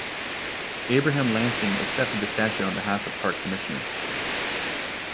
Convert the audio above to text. Abraham Lansing accepted the statue on behalf of park commissioners.